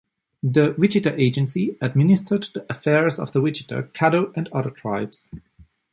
The Wichita Agency administered the affairs of the Wichita, Caddo and other tribes.